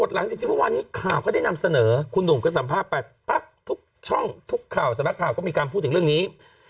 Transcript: หลังจากที่เมื่อวานนี้ข่าวก็ได้นำเสนอคุณหนุ่มก็สัมภาษณ์ไปพักทุกช่องทุกข่าวสำนักข่าวก็มีการพูดถึงเรื่องนี้